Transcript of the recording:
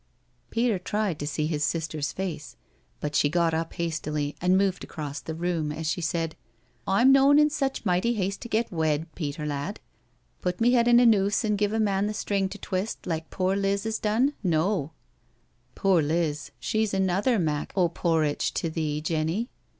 Peter tried to see his sister's face, but she got up hastily and moved across the room as she said : "I'm noan in such mighty haste to get wed, Peter lad — put me head in a noose and give a man the string to twist, like pore Liz 'as done? No I "" Poor Liz I She's another mak' o' porritch to thee, ^ Jenny.